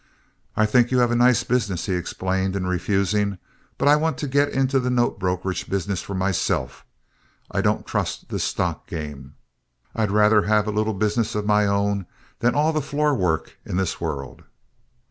"I think you have a nice business," he explained, in refusing, "but I want to get in the note brokerage business for myself. I don't trust this stock game. I'd rather have a little business of my own than all the floor work in this world."